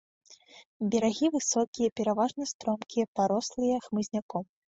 Берагі высокія, пераважна стромкія, парослыя хмызняком.